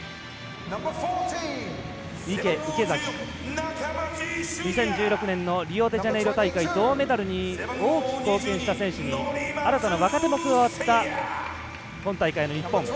池、池崎２０１６年のリオデジャネイロ大会銅メダルに大きく貢献した選手に新たな若手も加わった今大会の日本。